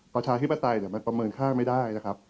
ประชาธิปไตยมันประเมินค่าไม่ได้นะครับ